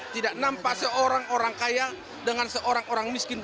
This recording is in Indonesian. tidak nampak seorang orang kaya dengan seorang orang miskin